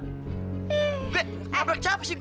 gue nabrak siapa sih